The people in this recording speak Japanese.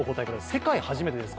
世界初めてです。